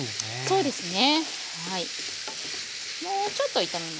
そうですね。